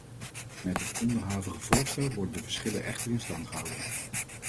Met het onderhavige voorstel worden de verschillen echter in stand gehouden.